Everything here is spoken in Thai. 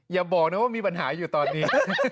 อย่าบอกนะว่ามีปัญหาอยู่ตอนนี้